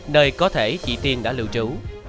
nơi có thể chị tiên đã lưu trú